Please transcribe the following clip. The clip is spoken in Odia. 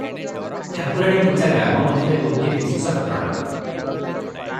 ଠାକୁରାଣୀ ପୂଜା ଗ୍ରାମ ମଧ୍ୟରେ ଗୋଟିଏ ବିଶେଷ ଘଟଣା ।